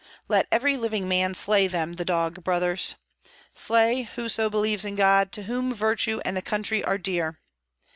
Let every living man slay them, the dog brothers! Slay, whoso believes in God, to whom virtue and the country are dear!"